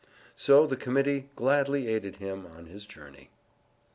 So the Committee gladly aided him on his journey.